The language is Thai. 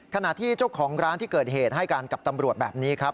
ขณะที่เจ้าของร้านที่เกิดเหตุให้การกับตำรวจแบบนี้ครับ